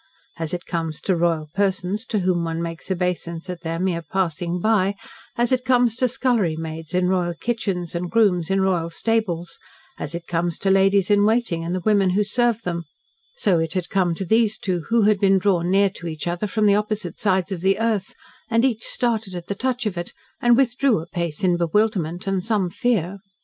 As it comes to royal persons to whom one makes obeisance at their mere passing by, as it comes to scullery maids in royal kitchens, and grooms in royal stables, as it comes to ladies in waiting and the women who serve them, so it had come to these two who had been drawn near to each other from the opposite sides of the earth, and each started at the touch of it, and withdrew a pace in bewilderment, and some fear.